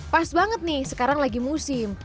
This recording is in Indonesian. pas banget nih sekarang lagi musim